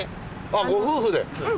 あっご夫婦で？